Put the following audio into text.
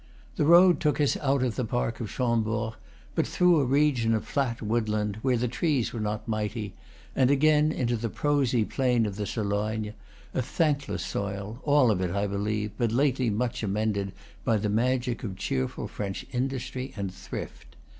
The road took us out of the park of Chambord, but through a region of flat woodland, where the trees were not mighty, and again into the prosy plain of the Sologne, a thankless soil, all of it, I believe, but lately much amended by the magic of cheerful French industry and thrift.